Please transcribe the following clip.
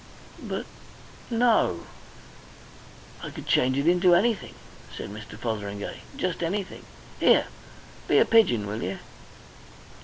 But no " "I could change it into anything," said Mr. Fotheringay. "Just anything. Here! be a pigeon, will you?"